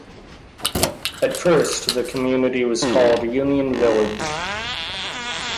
At first the community was called Union Village.